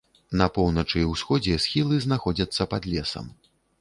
На поўначы і ўсходзе схілы знаходзяцца пад лесам.